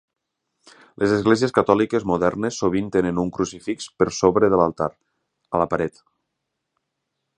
Les esglésies catòliques modernes sovint tenen un crucifix per sobre de l'altar, a la paret.